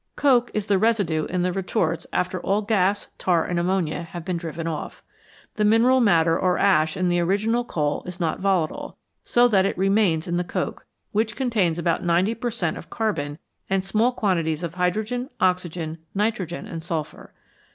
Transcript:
Coke is the residue in the retorts after all gas, tar, and ammonia have been driven off. The mineral matter or ash in the original coal is not volatile, so that it remains in the coke, which contains about ninety per cent, of carbon and small quantities of hydrogen, oxygen, nitrogen, and sulphur.